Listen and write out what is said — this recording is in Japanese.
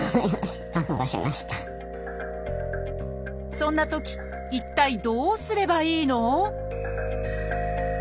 そんなとき一体どうすればいいの？